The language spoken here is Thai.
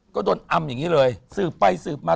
ก็โดนอำอย่างนี้เลยสืบไปสืบมา